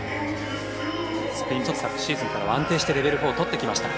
スピンは昨シーズンからは安定してレベル４取ってきました。